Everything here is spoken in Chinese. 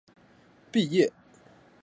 毕业后在沈阳飞机设计研究所工作。